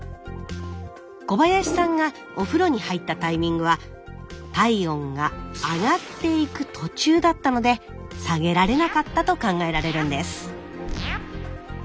小林さんがお風呂に入ったタイミングは体温が上がっていく途中だったので下げられなかったと考えられるんです。